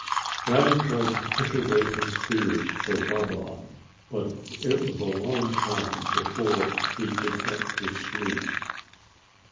Johnny tried to push away his fears for Baba, but it was a long time before he could get to sleep.